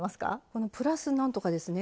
このプラス何とかですね。